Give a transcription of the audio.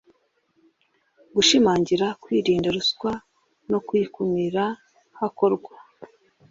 Gushimangira kwirinda ruswa no kuyikumira hakorwa